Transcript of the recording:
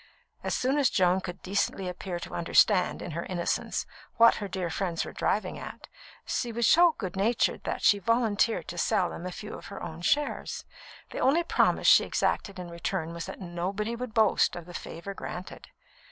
As soon as Joan could decently appear to understand, in her innocence, what her dear friends were driving at, she was so "good natured" that she volunteered to sell them a few of her own shares. The only promise she exacted in return was that nobody would boast of the favour granted.